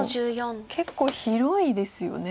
結構広いですよね。